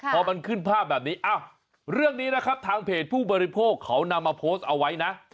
พอมันขึ้นภาพแบบนี้เรื่องนี้นะครับทางเพจผู้บริโภคเขานำมาโพสต์เอาไว้นะ